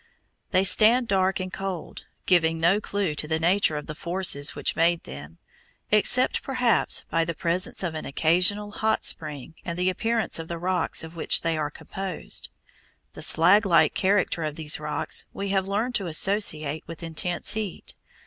They stand dark and cold, giving no clue to the nature of the forces which made them, except perhaps by the presence of an occasional hot spring and the appearance of the rocks of which they are composed. The slag like character of these rocks we have learned to associate with intense heat.